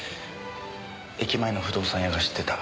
駅前の不動産屋が知ってた。